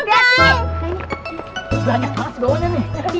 banyak banget sebawanya nih